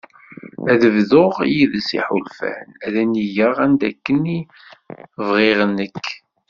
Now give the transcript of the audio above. Ad bḍuɣ yides iḥulfan ad innigeɣ anda akken bɣiɣ nekk.